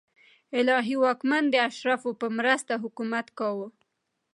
الهي واکمن د اشرافو په مرسته حکومت کاوه.